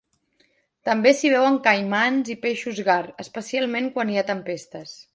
També s'hi veuen caimans i peixos gar, especialment quan hi ha tempestes.